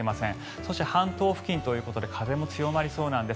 そして、半島付近ということで風も強まりそうなんです。